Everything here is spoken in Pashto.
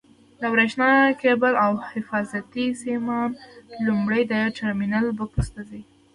د برېښنا کېبل او حفاظتي سیمان لومړی د ټرمینل بکس ته ځي.